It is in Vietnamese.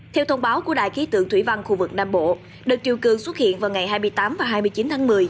theo thông báo của đài khí tượng thủy văn khu vực nam bộ đợt chiều cường xuất hiện vào ngày hai mươi tám và hai mươi chín tháng một mươi